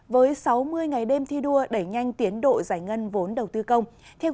với sáu mươi ngày đêm thi đua đẩy nhanh tiến độ giải ngân vốn đầu tư công